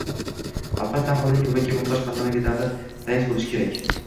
Albatta, aholining ko‘makka muxtoj qatlamiga davlat tayanch bo‘lishi kerak.